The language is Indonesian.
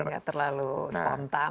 jadi nggak terlalu spontan